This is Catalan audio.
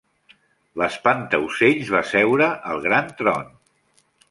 L'espantaocells va seure al gran tron.